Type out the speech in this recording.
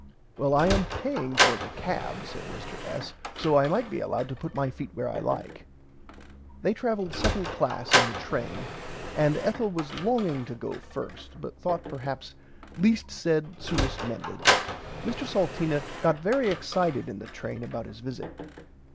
Well I am paying for the cab said Mr S. so I might be allowed to put my feet were I like. They traveled 2nd class in the train and Ethel was longing to go first but thought perhaps least said soonest mended. Mr Salteena got very excited in the train about his visit.